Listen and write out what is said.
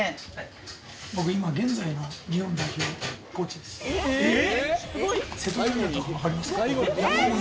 僕、現在の日本代表のコーチです。